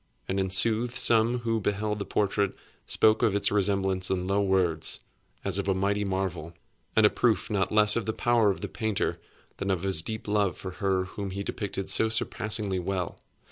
And in sooth some who beheld the portrait spoke of its resemblance in low words, as of a mighty marvel, and a proof not less of the power of the painter than of his deep love for her whom he depicted so surpassingly well.